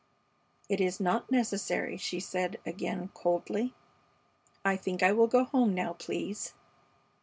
"It is not necessary," she said again, coldly. "I think I will go home now, please."